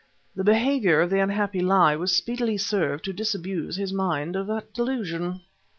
The behavior of the unhappy Li very speedily served to disabuse his mind of that delusion.